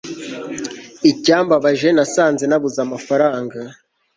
icyambabaje nasanze nabuze amafaranga